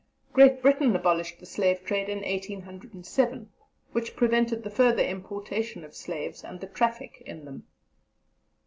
" Great Britain abolished the Slave Trade in 1807, which prevented the further importation of Slaves, and the traffic in them.